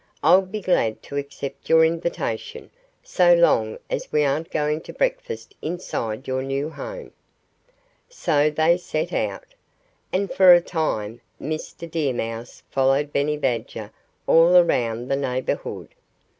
"I'll be glad to accept your invitation, so long as we aren't going to breakfast inside your new home." So they set out. And for a time Mr. Deer Mouse followed Benny Badger all around the neighborhood.